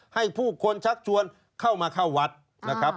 ให้ผู้คนชักชวนเข้ามาเข้าวัดนะครับ